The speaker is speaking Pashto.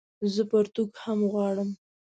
زه پرتوګ هم غواړم